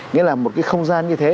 nghĩa là một cái không gian như thế